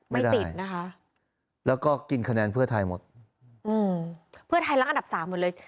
ไม่ติดนะคะแล้วก็กินคะแนนเพื่อไทยหมดอืมเพื่อไทยรักอันดับสามหมดเลย